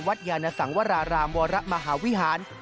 ยานสังวรารามวรมหาวิหาร